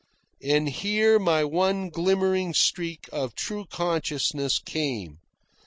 And here my one glimmering streak of true consciousness came.